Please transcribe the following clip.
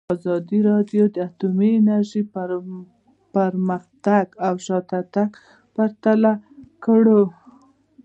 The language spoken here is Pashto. ازادي راډیو د اټومي انرژي پرمختګ او شاتګ پرتله کړی.